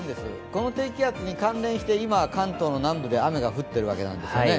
この低気圧に関連して今、関東の南部で雨が降ってるわけです。